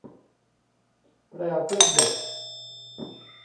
แพรวเพื่อนเด็ก